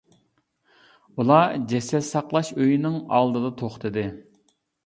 ئۇلار جەسەت ساقلاش ئۆيىنىڭ ئالدىدا توختىدى.